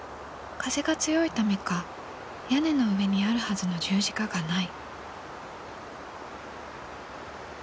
風が強いためか屋根の上にあるはずの十字架がない。